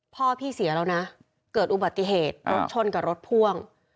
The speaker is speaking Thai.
พ่อพี่เสียแล้วนะเกิดอุบัติเหตุรถชนกับรถพ่วง